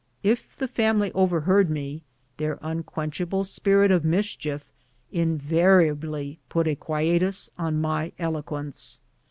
If the family overheard me, their unquench able spirit of mischief invariably put a quietus on my eloquence.